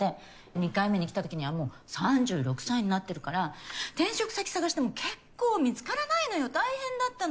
２回目に来たときにはもう３６歳になってるから転職先探してもけっこう見つからないのよ大変だったの。